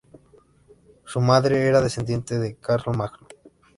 Su madre era descendiente de Carlomagno.